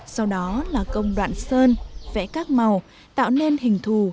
sau đó là công đoạn sơn vẽ các màu tạo nên hình thù